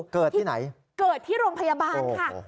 เกิดที่ไหนเกิดที่โรงพยาบาลค่ะ